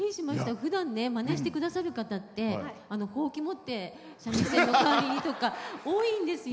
ふだん、まねしてくださる方ってほうき持って三味線の代わりにとか多いんですよ。